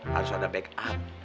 harus ada backup